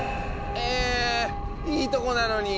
えいいとこなのに！